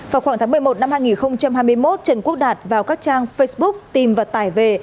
vào khoảng tháng một mươi một năm hai nghìn hai mươi một trần quốc đạt vào các trang facebook tìm và tải về